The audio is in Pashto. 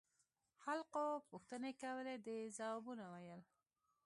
خلقو پوښتنې کولې ده يې ځوابونه ويل.